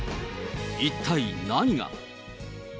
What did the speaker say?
一体何が。